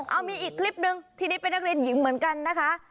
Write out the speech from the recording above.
เอามีอีกคลิปหนึ่งทีนี้เป็นนักเรียนหญิงเหมือนกันนะคะ